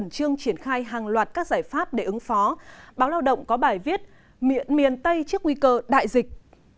trương triển khai hàng loạt các giải pháp để ứng phó báo lao động có bài viết miền tây trước nguy cơ đại dịch